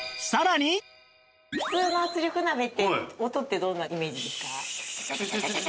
普通の圧力鍋って音ってどんなイメージですか？